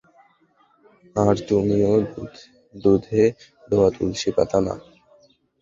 আর তুমিও দুধে ধোয়া তুলসি পাতা না।